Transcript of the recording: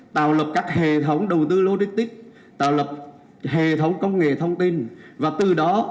tạo lập các hệ thống đầu tư lô tích tích tạo lập hệ thống công nghệ thông tin và từ đó